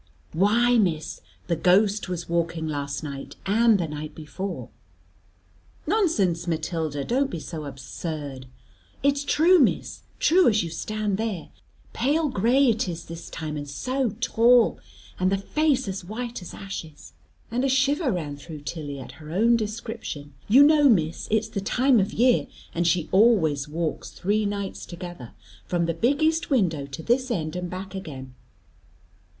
"Why, Miss, the ghost was walking last night, and the night before." "Nonsense, Matilda. Don't be so absurd." "It's true, Miss. True as you stand there. Pale gray it is this time, and so tall, and the face as white as ashes." And a shiver ran through Tilly, at her own description "You know, Miss, it's the time of year, and she always walks three nights together, from the big east window to this end and back again.